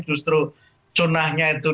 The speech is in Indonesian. justru sunnahnya itu